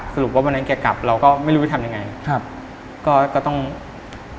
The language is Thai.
สรุปว่าวันนั้นแกกลับเราก็ไม่รู้ว่าจะทำยังไง